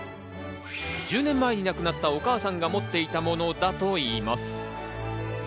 １０年前に亡くなったお母さんが持っていたものだといいます。